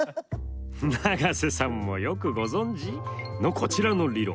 永瀬さんもよくご存じ？のこちらの理論。